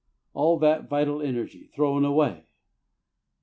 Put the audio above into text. All that vital energy thrown away!